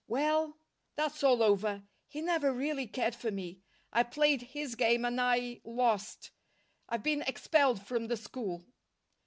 "Well, that's all over. He never really cared for me. I played his game and I lost. I've been expelled from the school."